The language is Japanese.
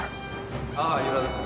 ああ由良です。